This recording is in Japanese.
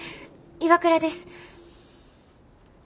岩倉です。